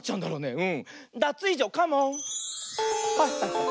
うん。